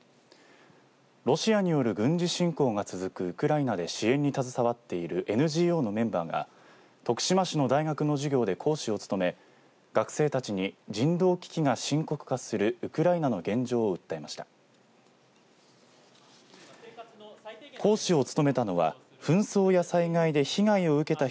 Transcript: ロシアによる軍事侵攻が続くウクライナで支援に携わっているＮＧＯのメンバーが徳島市の大学の授業で講師を務め学生たちに人道危機が深刻化するウクライナの現状を訴えました。